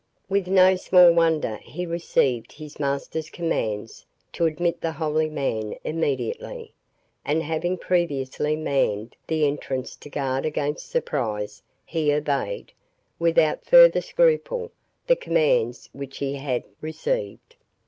With no small wonder he received his master's commands to admit the holy man immediately; and, having previously manned the entrance to guard against surprise, he obeyed, without further scruple, the commands which he had received.